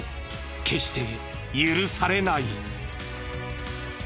決して許されない。